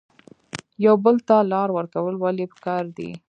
یو بل ته لار ورکول ولې پکار دي؟